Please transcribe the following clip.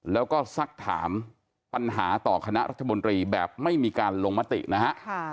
แล้วก็สักถามปัญหาต่อคณะรัฐมนตรีแบบไม่มีการลงมตินะฮะ